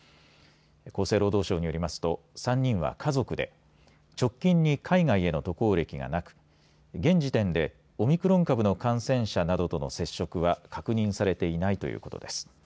厚生労働省によりますと３人は家族で直近に海外への渡航歴がなく現時点でオミクロン株の感染者などとの接触は確認されていないということです。